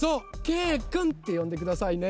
けいくんってよんでくださいね。